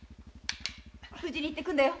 無事に行って来るんだよ。